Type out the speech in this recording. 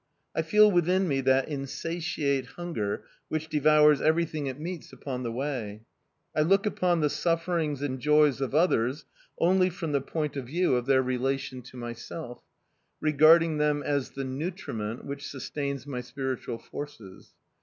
I feel within me that insatiate hunger which devours everything it meets upon the way; I look upon the sufferings and joys of others only from the point of view of their relation to myself, regarding them as the nutriment which sustains my spiritual forces.